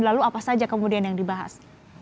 lalu apa saja kemudian yang dibahas